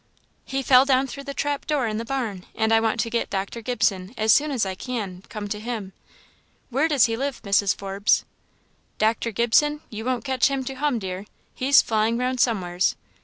"He fell down through the trap door in the barn; and I want to get Dr. Gibson, as soon as I can, come to him. Where does he live, Mrs. Forbes?" "Dr. Gibson? you won't catch him to hum, dear; he's flying round somewheres.